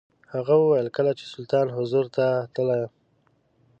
هغه وویل کله چې سلطان حضور ته تللم.